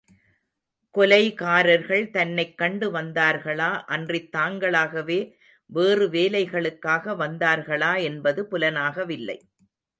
கொலைகாரர்கள் தன்னைக் கண்டு வந்தார்களா, அன்றித் தாங்களாகவே வேறு வேலைகளுக்காக வந்தார்களா என்பது புலனாகவில்லை.